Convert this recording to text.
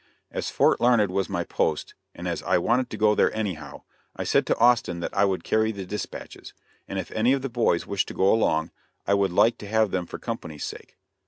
As Fort Larned was my post, and as I wanted to go there anyhow, I said to Austin that I would carry the dispatches, and if any of the boys wished to go along, I would like to have them for company's sake.